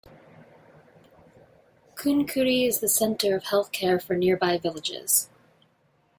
Kunkuri is the centre of healthcare for nearby villages.